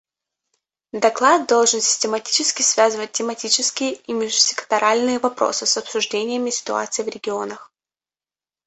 Доклад должен систематически связывать тематические и межсекторальные вопросы с обсуждениями ситуаций в регионах.